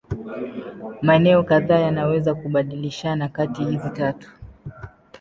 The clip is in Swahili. Maeneo kadhaa yanaweza kubadilishana kati hizi tatu.